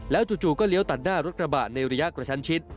จู่ก็เลี้ยวตัดหน้ารถกระบะในระยะกระชั้นชิด